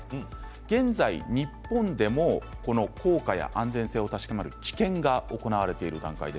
現在、日本でもこの効果や安全性を確かめる治験が行われています。